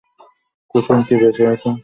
কুসুম কি বেঁচে আছে?